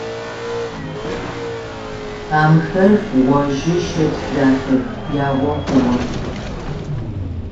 Тӏамхэр гъожьы-шэплъ дахэх, ягъо хъугъэ.